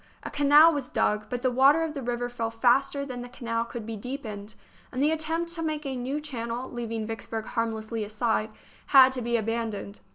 A canal was dug, but the water of the river fell faster than the canal could be deepened, and the attempt to make a new channel, leaving Vicksburg harmlessly aside, had to be abandoned.